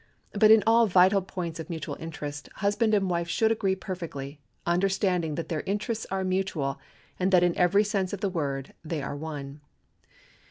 But in all vital points of mutual interest husband and wife should agree perfectly, understanding that their interests are mutual, and that in every sense of the word they are one.